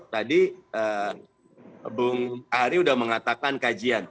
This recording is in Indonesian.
tadi bung ari sudah mengatakan kajian